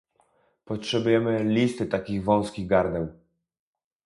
Potrzebujemy listy takich wąskich gardeł